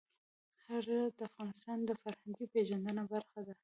هرات د افغانانو د فرهنګي پیژندنې برخه ده.